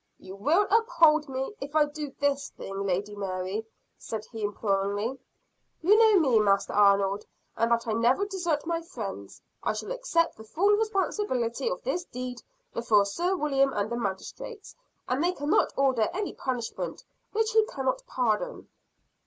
"You will uphold me, if I do this thing, Lady Mary?" said he imploringly. "You know me, Master Arnold and that I never desert my friends! I shall accept the full responsibility of this deed before Sir William and the magistrates. And they cannot order any punishment which he cannot pardon."